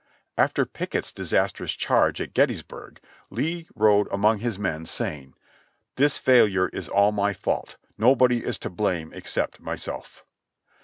After Pickett's disastrous charge at Gettysburg, Lee rode among his men. saying : "This failure is all my fault ; nobody is to blame except myself."